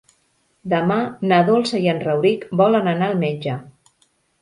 Demà na Dolça i en Rauric volen anar al metge.